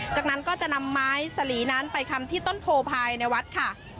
จากนั้นก็จะนำไม้สลีนั้นไปคำที่ต้นโพภายในวัดค่ะ